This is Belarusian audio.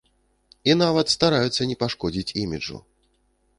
І нават стараюцца не пашкодзіць іміджу.